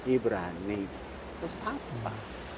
ibrani terus apa